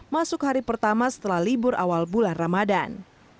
masuk hari pertama setelah libur awal bulan ramadan